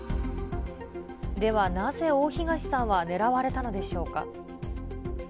ではなぜ、大東さんは狙われたのでしょうか。